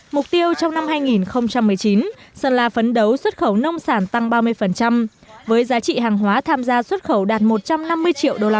mục tiêu trong năm hai nghìn một mươi chín sơn la phấn đấu xuất khẩu nông sản tăng ba mươi với giá trị hàng hóa tham gia xuất khẩu đạt một trăm năm mươi triệu usd